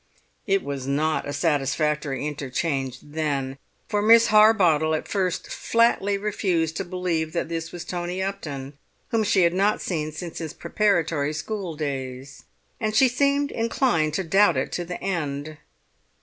It was not a satisfactory interchange then, for Miss Harbottle at first flatly refused to believe that this was Tony Upton, whom she had not seen since his preparatory schooldays, and she seemed inclined to doubt it to the end.